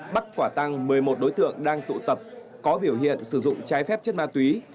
bắt quả tăng một mươi một đối tượng đang tụ tập có biểu hiện sử dụng trái phép chất ma túy